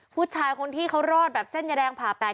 ผู้ชายคนที่เขารอดแบบเส้นยาแดงผ่าแตก